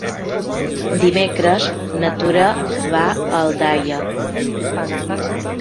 Dimecres na Tura va a Aldaia.